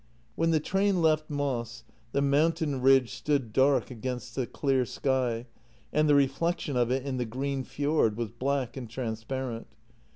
When the train left Moss, the mountain ridge stood dark against the clear sky, and the reflection of it in the green fjord was black and transparent.